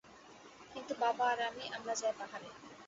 কিন্তু বাবা আর আমি, আমরা যাই পাহাড়ে।